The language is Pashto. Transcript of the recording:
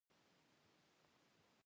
د محمد اسماعیل یون سره مو ناسته وه.